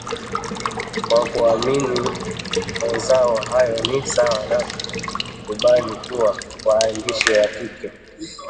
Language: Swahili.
Kwa kuamini mawazo hayo ni sawa na kukubali kuwa waandishi wa kike